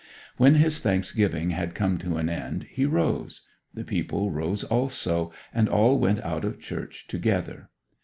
When his thanksgiving had come to an end he rose; the people rose also, and all went out of church together.